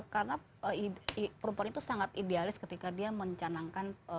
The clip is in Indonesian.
karena perempuan itu sangat idealis ketika dia mencanangkan